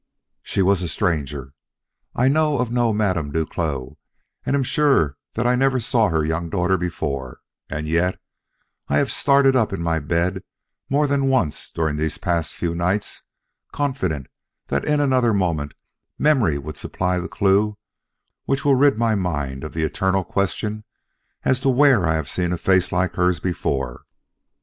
She was a stranger. I know of no Madame Duclos and am sure that I never saw her young daughter before; and yet I have started up in my bed more than once during these past few nights, confident that in another moment memory would supply the clue which will rid my mind of the eternal question as to where I have seen a face like hers before?